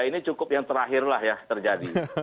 ini cukup yang terakhirlah ya terjadi